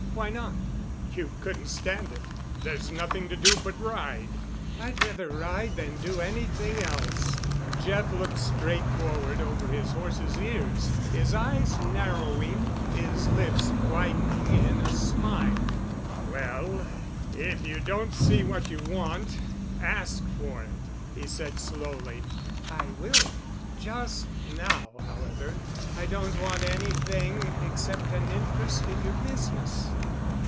"Why not?" "You couldn't stand it. There's nothing to do but ride." "I'd rather ride than do anything else." Jeff looked straight forward over his horse's ears, his eyes narrowing, his lips widening in a smile. "Well—if you don't see what you want—ask for it," he said slowly. "I will. Just now, however, I don't want anything except an interest in your business.